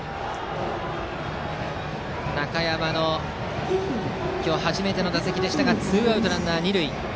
中山の今日初めての打席でしたがツーアウトランナー、二塁。